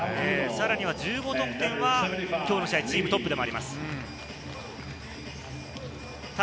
さらには１５得点はきょうの試合、チームトップでもあります。